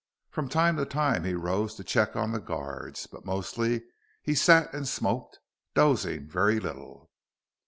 From time to time, he rose to check on the guards, but mostly he sat and smoked, dozing very little.